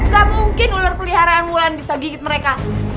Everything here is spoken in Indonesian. gak mungkin ular pelihara yang ulan bisa gigit mereka